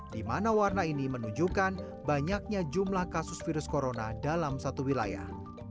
di mana warna ini menunjukkan banyaknya jumlah kasus virus corona dalam satu wilayah